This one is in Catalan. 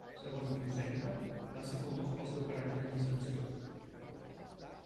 Segons diu Sèneca, va ser famós pel seu caràcter llicenciós.